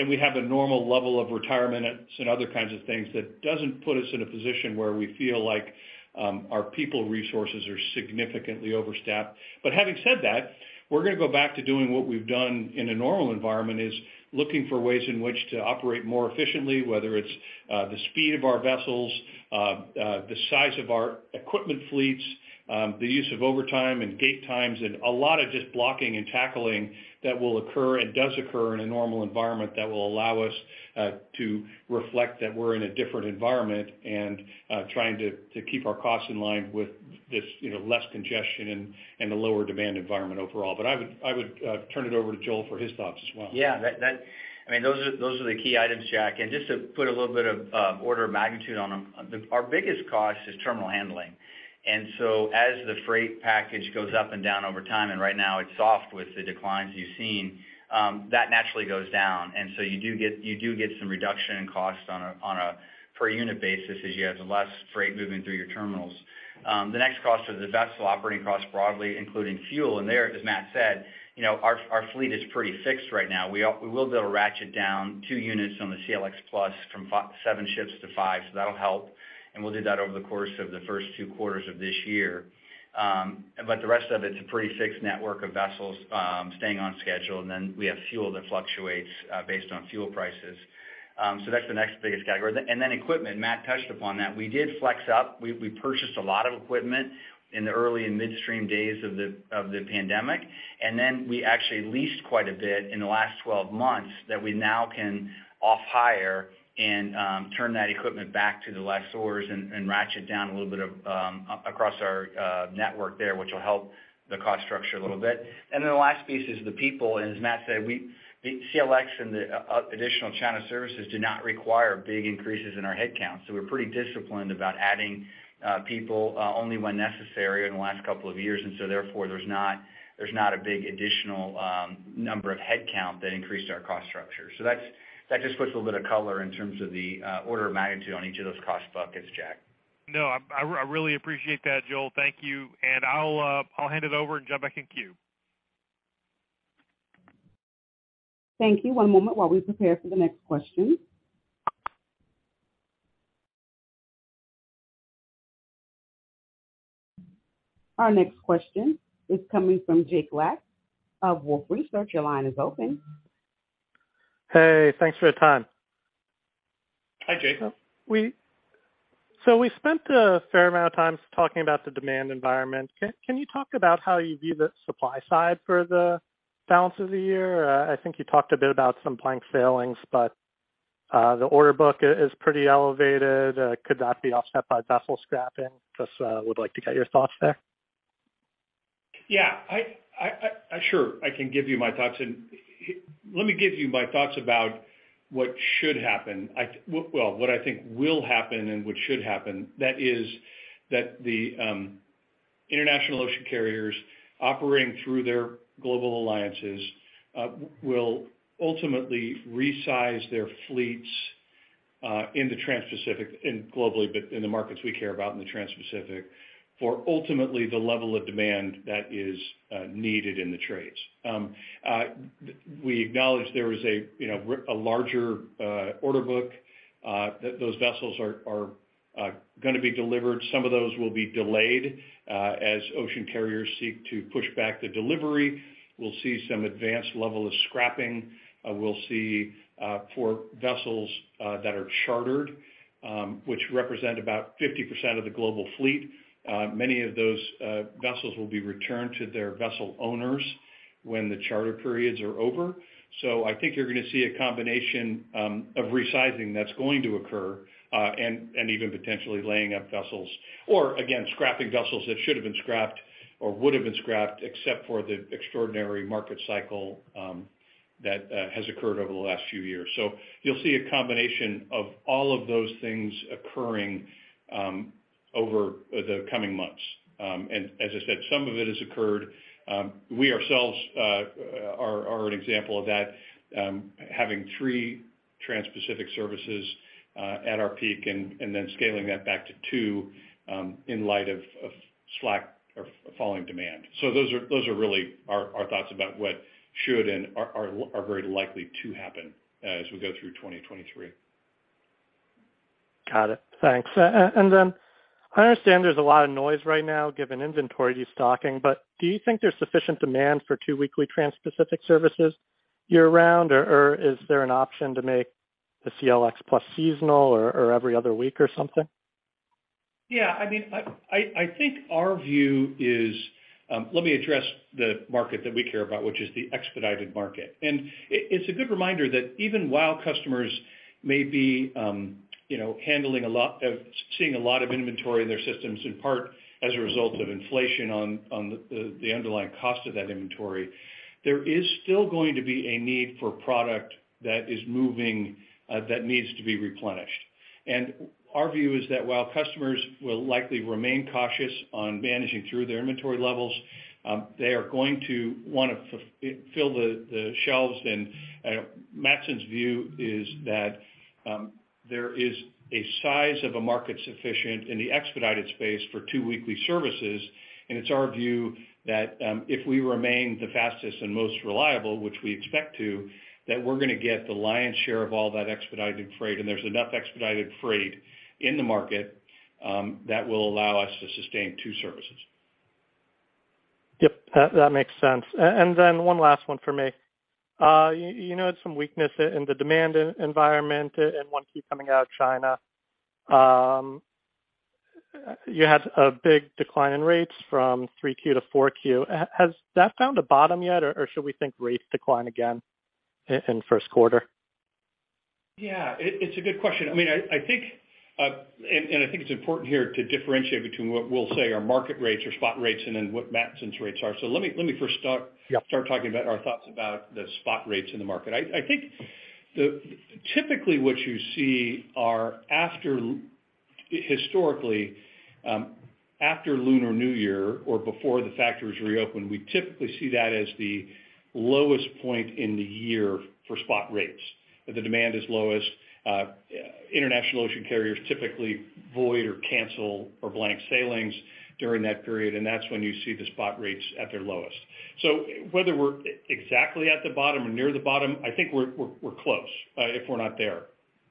Speaker 3: We have a normal level of retirement and some other kinds of things that doesn't put us in a position where we feel like our people resources are significantly overstaffed. Having said that, we're gonna go back to doing what we've done in a normal environment, is looking for ways in which to operate more efficiently, whether it's the speed of our vessels, the size of our equipment fleets, the use of overtime and gate times, and a lot of just blocking and tackling that will occur and does occur in a normal environment that will allow us to reflect that we're in a different environment and trying to keep our costs in line with this, you know, less congestion and the lower demand environment overall. I would turn it over to Joel for his thoughts as well.
Speaker 4: Yeah. I mean, those are the key items, Jack. Just to put a little bit of order of magnitude on them, our biggest cost is terminal handling. As the freight package goes up and down over time, and right now it's soft with the declines you've seen, that naturally goes down. You do get some reduction in cost on a per unit basis as you have less freight moving through your terminals. The next cost is the vessel operating costs broadly, including fuel. There, as Matt said, you know, our fleet is pretty fixed right now. We will be able to ratchet down two units on the CLX+ from 7 ships to 5. That'll help. We'll do that over the course of the first two quarters of this year. The rest of it's a pretty fixed network of vessels, staying on schedule, and then we have fuel that fluctuates based on fuel prices. That's the next biggest category. Then equipment, Matt touched upon that. We did flex up. We purchased a lot of equipment in the early and midstream days of the pandemic, and then we actually leased quite a bit in the last 12 months that we now can off-hire and turn that equipment back to the lessors and ratchet down a little bit of across our network there, which will help the cost structure a little bit. Then the last piece is the people. As Matt said, we, the CLX and the additional China services do not require big increases in our headcounts. We're pretty disciplined about adding people only when necessary in the last couple of years. Therefore, there's not a big additional number of headcount that increased our cost structure. That's, that just puts a little bit of color in terms of the order of magnitude on each of those cost buckets, Jack.
Speaker 5: No, I really appreciate that, Joel. Thank you. I'll hand it over and jump back in queue.
Speaker 1: Thank you. One moment while we prepare for the next question. Our next question is coming from Jacob Lacks of Wolfe Research. Your line is open.
Speaker 6: Hey, thanks for your time.
Speaker 3: Hi, Jake.
Speaker 6: We spent a fair amount of time talking about the demand environment. Can you talk about how you view the supply side for the balance of the year? I think you talked a bit about some blank sailings, but the order book is pretty elevated. Could that be offset by vessel scrapping? Just would like to get your thoughts there.
Speaker 3: Yeah, I sure, I can give you my thoughts. Let me give you my thoughts about what should happen. Well, what I think will happen and what should happen, that is that the international ocean carriers operating through their global alliances will ultimately resize their fleets in the Transpacific and globally, but in the markets we care about in the Transpacific, for ultimately the level of demand that is needed in the trades. We acknowledge there is a, you know, a larger order book that those vessels are gonna be delivered. Some of those will be delayed as ocean carriers seek to push back the delivery. We'll see some advanced level of scrapping. We'll see for vessels that are chartered, which represent about 50% of the global fleet, many of those vessels will be returned to their vessel owners when the charter periods are over. I think you're gonna see a combination of resizing that's going to occur, and even potentially laying up vessels or again, scrapping vessels that should have been scrapped or would have been scrapped except for the extraordinary market cycle that has occurred over the last few years. You'll see a combination of all of those things occurring over the coming months. As I said, some of it has occurred. We ourselves are an example of that, having three Transpacific services at our peak and then scaling that back to two in light of slack or falling demand. Those are really our thoughts about what should and are very likely to happen as we go through 2023.
Speaker 6: Got it. Thanks. Then I understand there's a lot of noise right now given inventory destocking, do you think there's sufficient demand for two weekly Transpacific services year-round, or is there an option to make the CLX+ seasonal or every other week or something?
Speaker 3: Yeah, I mean, I think our view is, let me address the market that we care about, which is the expedited market. It's a good reminder that even while customers may be, you know, handling a lot of, seeing a lot of inventory in their systems, in part as a result of inflation on the underlying cost of that inventory, there is still going to be a need for product that is moving, that needs to be replenished. Our view is that while customers will likely remain cautious on managing through their inventory levels, they are going to want to fill the shelves. Matson's view is that, there is a size of a market sufficient in the expedited space for two weekly services. It's our view that, if we remain the fastest and most reliable, which we expect to, that we're gonna get the lion's share of all that expedited freight, and there's enough expedited freight in the market, that will allow us to sustain two services.
Speaker 6: Yep, that makes sense. one last one for me. you noted some weakness in the demand environment and one keep coming out of China. you had a big decline in rates from 3Q-4Q. Has that found a bottom yet, or should we think rates decline again in first quarter?
Speaker 3: Yeah. It's a good question. I mean, I think, and I think it's important here to differentiate between what we'll say are market rates or spot rates and then what Matson's rates are. Let me first start.
Speaker 6: Yep.
Speaker 3: Start talking about our thoughts about the spot rates in the market. I think typically, what you see are after, historically, after Lunar New Year or before the factories reopen, we typically see that as the lowest point in the year for spot rates. The demand is lowest, international ocean carriers typically void or cancel or blank sailings during that period, and that's when you see the spot rates at their lowest. Whether we're exactly at the bottom or near the bottom, I think we're close, if we're not there.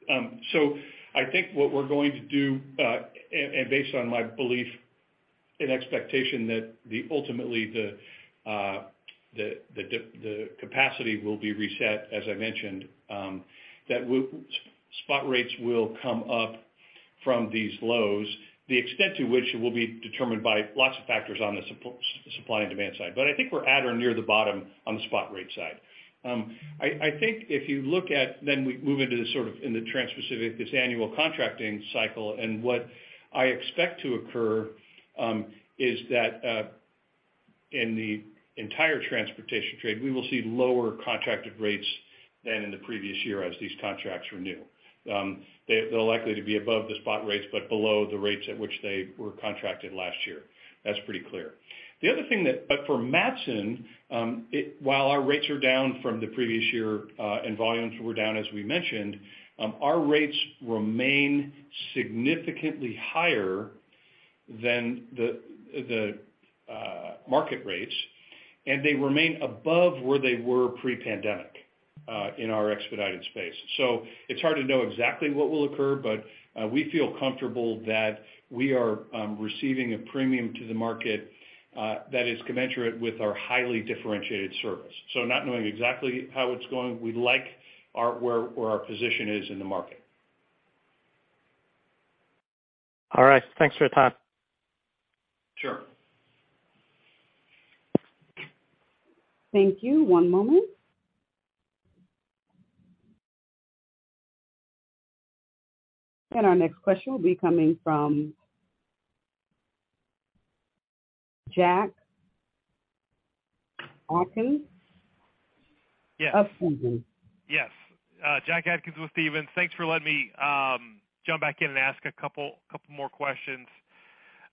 Speaker 3: I think what we're going to do, and based on my belief and expectation that the, ultimately the capacity will be reset, as I mentioned, that spot rates will come up from these lows. The extent to which it will be determined by lots of factors on the supply and demand side. I think we're at or near the bottom on the spot rate side. I think if you look at then we move into the sort of in the Transpacific, this annual contracting cycle, what I expect to occur, is that in the entire transportation trade, we will see lower contracted rates than in the previous year as these contracts renew. They're likely to be above the spot rates but below the rates at which they were contracted last year. That's pretty clear. The other thing but for Matson, while our rates are down from the previous year, and volumes were down, as we mentioned, our rates remain significantly higher than the market rates, and they remain above where they were pre-pandemic in our expedited space. It's hard to know exactly what will occur, but we feel comfortable that we are receiving a premium to the market that is commensurate with our highly differentiated service. Not knowing exactly how it's going, we like our, where our position is in the market.
Speaker 6: All right. Thanks for your time.
Speaker 3: Sure.
Speaker 1: Thank you. One moment. Our next question will be coming from Jack Atkins?
Speaker 5: Yes.
Speaker 1: Of Stephens.
Speaker 5: Yes. Jack Atkins with Stephens. Thanks for letting me jump back in and ask a couple more questions.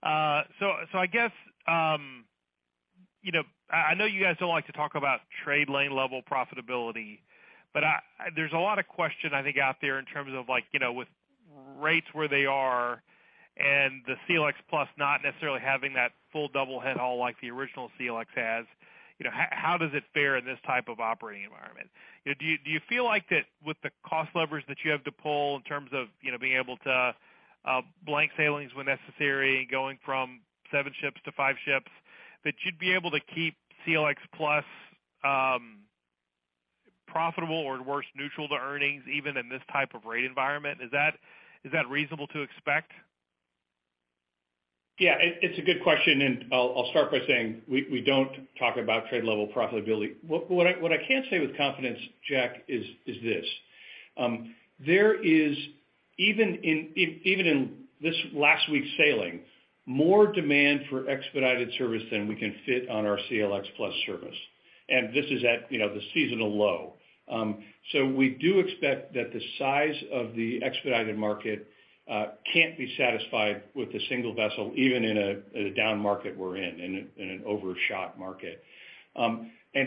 Speaker 5: I guess, you know, I know you guys don't like to talk about trade lane level profitability, but I, there's a lot of question, I think, out there in terms of, like, you know, with rates where they are and the CLX+ not necessarily having that full double head all like the original CLX has, you know, how does it fare in this type of operating environment? You know, do you feel like that with the cost levers that you have to pull in terms of, you know, being able to blank sailings when necessary, going from seven ships to five ships, that you'd be able to keep CLX+ profitable or at worst neutral to earnings even in this type of rate environment? Is that reasonable to expect?
Speaker 3: It's a good question. I'll start by saying we don't talk about trade level profitability. What I can say with confidence, Jack, is this: there is, even in this last week's sailing, more demand for expedited service than we can fit on our CLX+ service. This is at, you know, the seasonal low. We do expect that the size of the expedited market can't be satisfied with the single vessel, even in a down market we're in an overshot market.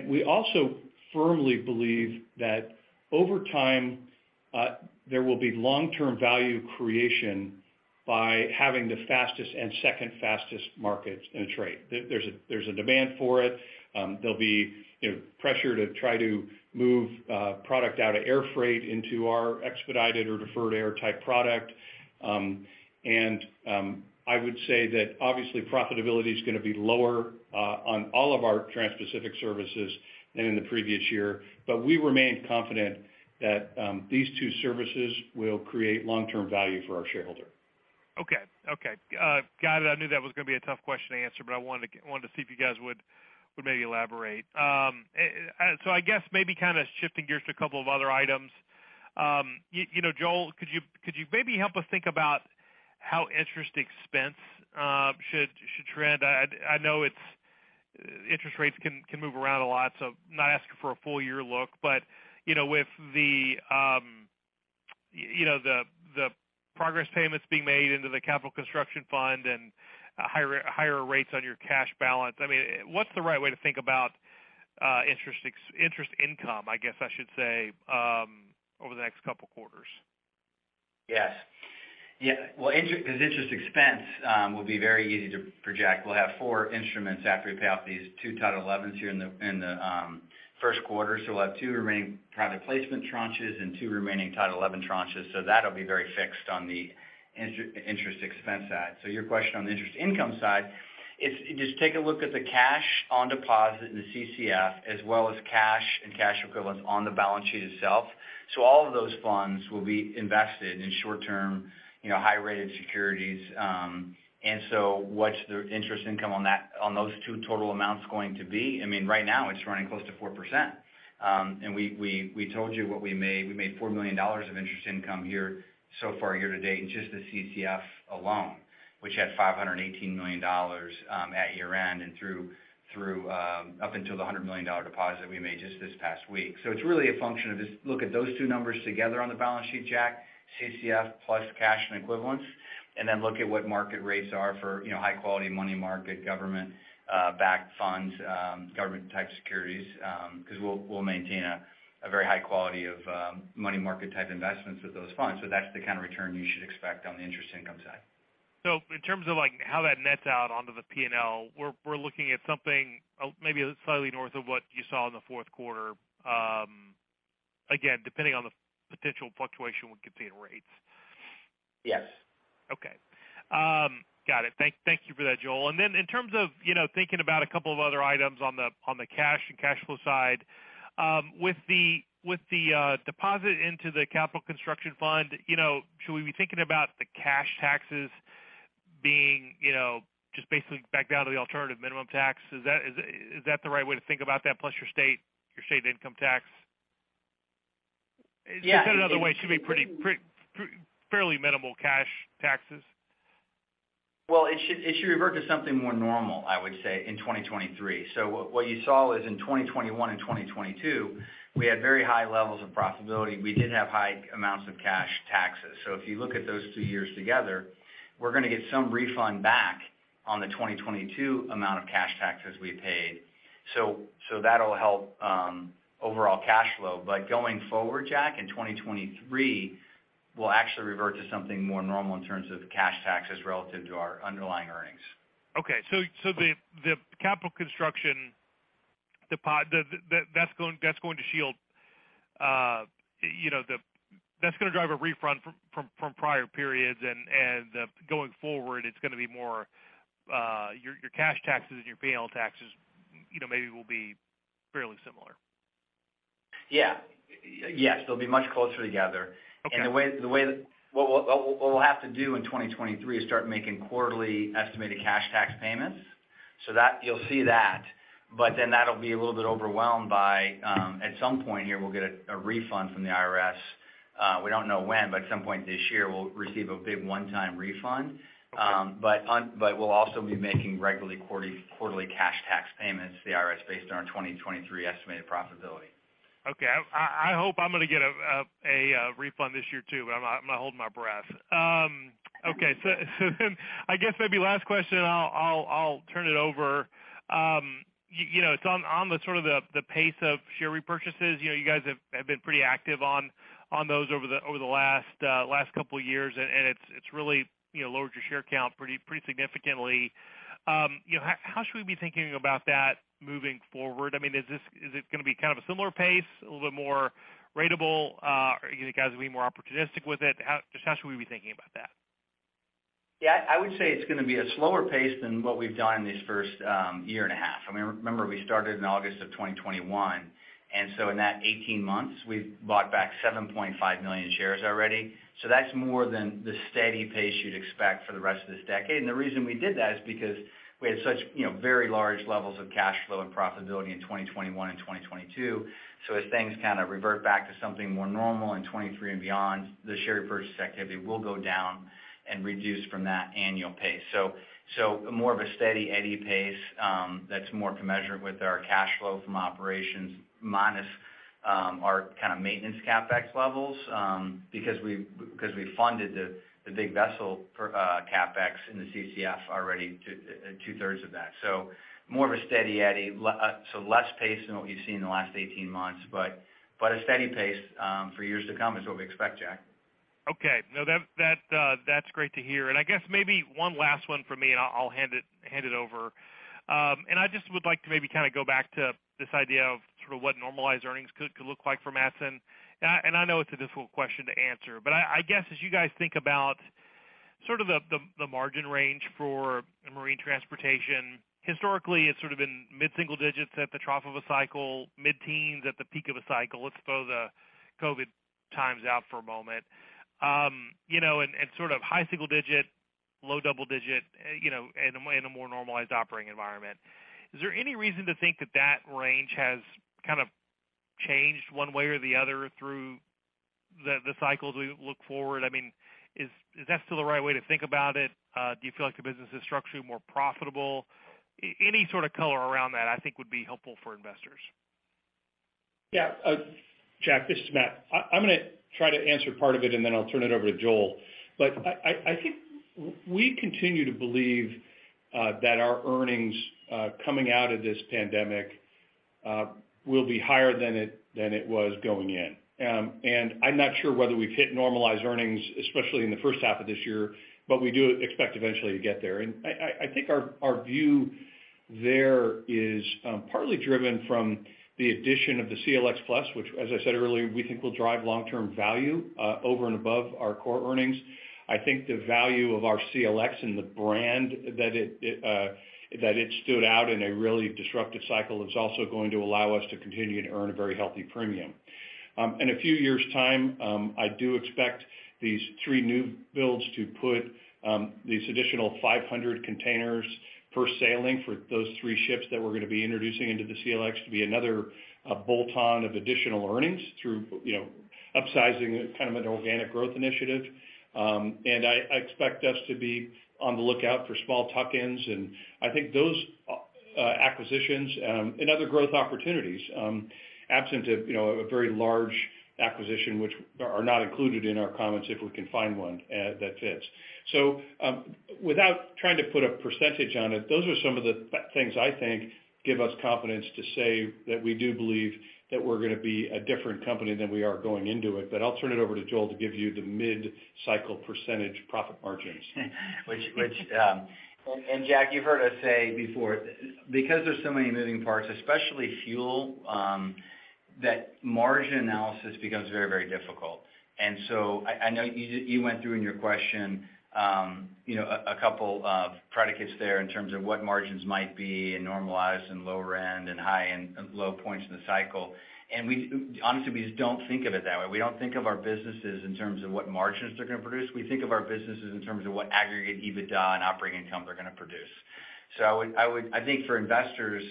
Speaker 3: We also firmly believe that over time there will be long-term value creation by having the fastest and second fastest markets in the trade. There's a demand for it. There'll be, you know, pressure to try to move product out of air freight into our expedited or deferred air type product. I would say that obviously profitability is gonna be lower on all of our Transpacific services than in the previous year, but we remain confident that these two services will create long-term value for our shareholder.
Speaker 5: Okay. Okay. Got it. I knew that was gonna be a tough question to answer, but I wanted to see if you guys would maybe elaborate. I guess maybe kind of shifting gears to a couple of other items. You know, Joel, could you maybe help us think about how interest expense should trend. I know interest rates can move around a lot, so I'm not asking for a full year look. You know, with the, you know, the progress payments being made into the Capital Construction Fund and higher rates on your cash balance, I mean, what's the right way to think about interest income, I guess I should say, over the next couple quarters?
Speaker 4: Yes. Yeah, well, this interest expense will be very easy to project. We'll have four instruments after we pay off these two Title XI here in the first quarter. We'll have two remaining private placement tranches and two remaining Title XI tranches. That'll be very fixed on the interest expense side. Your question on the interest income side is just take a look at the cash on deposit in the CCF as well as cash and cash equivalents on the balance sheet itself. All of those funds will be invested in short-term, you know, high-rated securities. What's the interest income on those two total amounts going to be? I mean, right now it's running close to 4%. And we told you what we made. We made $4 million of interest income here so far year to date in just the CCF alone, which had $518 million at year-end and through up until the $100 million deposit we made just this past week. It's really a function of this. Look at those two numbers together on the balance sheet, Jack, CCF+ cash and equivalents, and then look at what market rates are for, you know, high-quality money market, government backed funds, government-type securities, because we'll maintain a very high quality of money market type investments with those funds. That's the kind of return you should expect on the interest income side.
Speaker 5: In terms of, like, how that nets out onto the P&L, we're looking at something maybe slightly north of what you saw in the fourth quarter, again, depending on the potential fluctuation we could see in rates.
Speaker 4: Yes.
Speaker 5: Okay. got it. Thank you for that, Joel. In terms of, you know, thinking about a couple of other items on the, on the cash and cash flow side, with the deposit into the Capital Construction Fund, you know, should we be thinking about the cash taxes being, you know, just basically backed out of the alternative minimum tax? Is that the right way to think about that, plus your state income tax?
Speaker 4: Yeah.
Speaker 5: To put it another way, it should be pretty fairly minimal cash taxes.
Speaker 4: It should revert to something more normal, I would say, in 2023. What you saw is in 2021 and 2022, we had very high levels of profitability. We did have high amounts of cash taxes. If you look at those two years together, we're gonna get some refund back on the 2022 amount of cash taxes we paid. That'll help overall cash flow. Going forward, Jack, in 2023, we'll actually revert to something more normal in terms of cash taxes relative to our underlying earnings.
Speaker 5: Okay. The Capital Construction depot, that's going to shield, you know, the. That's gonna drive a refund from prior periods and going forward, it's gonna be more, your cash taxes and your pay on taxes, you know, maybe will be fairly similar.
Speaker 4: Yeah. Yes, they'll be much closer together.
Speaker 5: Okay.
Speaker 4: The way that what we'll have to do in 2023 is start making quarterly estimated cash tax payments. You'll see that. That'll be a little bit overwhelmed by, at some point here, we'll get a refund from the IRS. We don't know when, but at some point this year we'll receive a big one-time refund.
Speaker 5: Okay.
Speaker 4: We'll also be making regularly quarterly cash tax payments to the IRS based on our 2023 estimated profitability.
Speaker 5: Okay. I hope I'm gonna get a refund this year, too, but I'm not holding my breath. I guess maybe last question, and I'll turn it over. You know, it's on the sort of the pace of share repurchases. You know, you guys have been pretty active on those over the last couple years, and it's really, you know, lowered your share count pretty significantly. You know, how should we be thinking about that moving forward? I mean, is it gonna be kind of a similar pace, a little bit more ratable? Are you guys gonna be more opportunistic with it? Just how should we be thinking about that?
Speaker 4: Yeah. I would say it's gonna be a slower pace than what we've done in this first year and a half. I mean, remember we started in August of 2021, in that 18 months we've bought back 7.5 million shares already. That's more than the steady pace you'd expect for the rest of this decade. The reason we did that is because we had such, you know, very large levels of cash flow and profitability in 2021 and 2022. As things kind of revert back to something more normal in 2023 and beyond, the share repurchase activity will go down and reduce from that annual pace. More of a steady Eddie pace that's more commensurate with our cash flow from operations minus our kind of maintenance CapEx levels because we funded the big vessel for CapEx in the CCF already two-thirds of that. More of a steady Eddie. Less pace than what we've seen in the last 18 months, but a steady pace for years to come is what we expect, Jack.
Speaker 5: Okay. No, that's great to hear. I guess maybe one last one from me, and I'll hand it over. I just would like to maybe kind of go back to this idea of sort of what normalized earnings could look like for Matson. I know it's a difficult question to answer. I guess as you guys think about sort of the margin range for marine transportation, historically it's sort of been mid-single digits at the trough of a cycle, mid-teens at the peak of a cycle. Let's throw the COVID times out for a moment. you know, and sort of high single digit, low double digit, you know, in a more normalized operating environment. Is there any reason to think that that range has kind of changed one way or the other through the cycles we look forward? I mean, is that still the right way to think about it? Do you feel like the business is structurally more profitable? Any sort of color around that, I think would be helpful for investors.
Speaker 3: Yeah, Jack, this is Matt. I'm gonna try to answer part of it, and then I'll turn it over to Joel. I think we continue to believe that our earnings coming out of this pandemic will be higher than it was going in. I'm not sure whether we've hit normalized earnings, especially in the first half of this year, but we do expect eventually to get there. I think our view there is partly driven from the addition of the CLX+, which as I said earlier, we think will drive long-term value over and above our core earnings. I think the value of our CLX and the brand that it, that it stood out in a really disruptive cycle is also going to allow us to continue to earn a very healthy premium. In a few years' time, I do expect these three new builds to put these additional 500 containers per sailing for those three ships that we're gonna be introducing into the CLX to be another bolt-on of additional earnings through, you know, upsizing, kind of an organic growth initiative. I expect us to be on the lookout for small tuck-ins, and I think those acquisitions and other growth opportunities, absent of, you know, a very large acquisition, which are not included in our comments if we can find one that fits. Without trying to put a % on it, those are some of the things I think give us confidence to say that we do believe that we're gonna be a different company than we are going into it. I'll turn it over to Joel to give you the mid-cycle % profit margins.
Speaker 4: Which and Jack, you've heard us say before, because there's so many moving parts, especially fuel, that margin analysis becomes very, very difficult. I know you went through in your question, you know, a couple of predicates there in terms of what margins might be in normalized and lower end and high end, low points in the cycle. We, honestly, we just don't think of it that way. We don't think of our businesses in terms of what margins they're gonna produce. We think of our businesses in terms of what aggregate EBITDA and operating income they're gonna produce. I think for investors,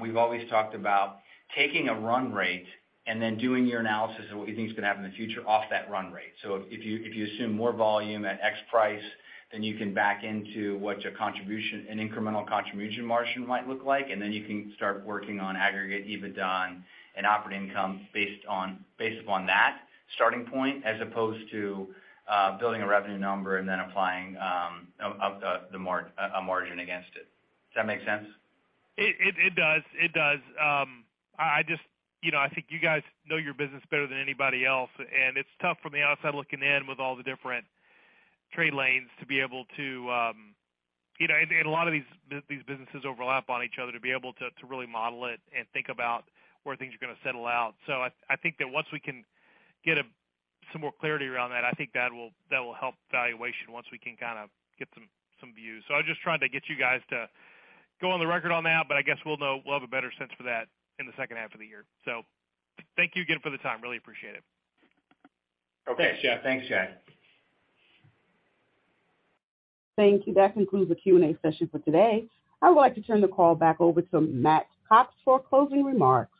Speaker 4: we've always talked about taking a run rate and then doing your analysis of what you think is gonna happen in the future off that run rate. If you assume more volume at X price, then you can back into what your contribution and incremental contribution margin might look like, and then you can start working on aggregate EBITDA and operating income based on, based upon that starting point, as opposed to building a revenue number and then applying a margin against it. Does that make sense?
Speaker 5: It does. It does. I just, you know, I think you guys know your business better than anybody else, and it's tough from the outside looking in with all the different trade lanes to be able to, you know, and a lot of these businesses overlap on each other to be able to really model it and think about where things are gonna settle out. I think that once we can get some more clarity around that, I think that will help valuation once we can kinda get some views. I was just trying to get you guys to go on the record on that, but I guess we'll know, we'll have a better sense for that in the second half of the year. Thank you again for the time. Really appreciate it.
Speaker 3: Okay.
Speaker 4: Thanks, Jack.
Speaker 1: Thank you. That concludes the Q&A session for today. I would like to turn the call back over to Matt Cox for closing remarks.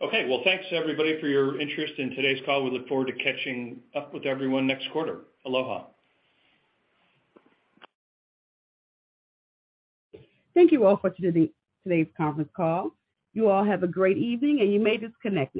Speaker 3: Okay. Well, thanks everybody for your interest in today's call. We look forward to catching up with everyone next quarter. Aloha.
Speaker 1: Thank you all for attending today's conference call. You all have a great evening, and you may disconnect.